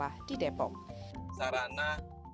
namun terdapat beberapa masalah di depok